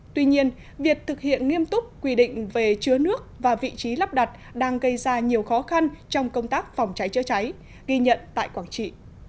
tuy nhiên việc thực hiện nghiêm túc quy định về chứa nước và vị trí lắp đặt đang gây ra nhiều khó khăn trong công tác phòng cháy chữa cháy ghi nhận tại quảng trị